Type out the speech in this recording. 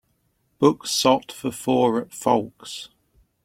Book sot for four at Fowlkes